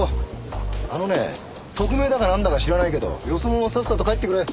あのね特命だかなんだか知らないけどよそ者はさっさと帰ってくれ。